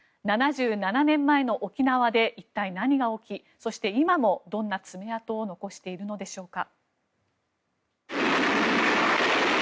７７年前の沖縄で一体何が起きそして今も、どんな爪痕を残しているのでしょうか。